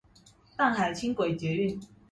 淡海輕軌捷運